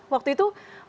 waktu itu ada apa